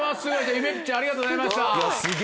ゆめっちありがとうございました。